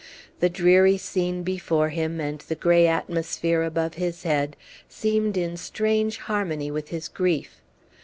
The dreary scene before him, and the gray atmosphere above his head, seemed in strange harmony with his grief.